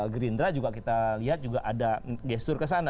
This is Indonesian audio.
gerindra juga kita lihat juga ada gestur ke sana